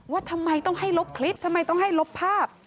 ว่าทำไมต้องให้ลบคลิปทำไมต้องให้ลบภาพ